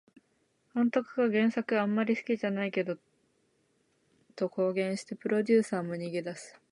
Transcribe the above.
監督が原作あんまり好きじゃないと公言してプロデューサーも逃げ出す